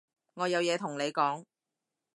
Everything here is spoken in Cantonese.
我有嘢同你講